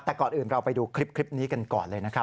แต่ก่อนอื่นเราไปดูคลิปนี้กันก่อนเลยนะครับ